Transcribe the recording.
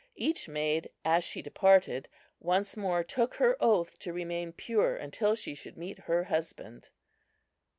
Each maid as she departed once more took her oath to remain pure until she should meet her husband.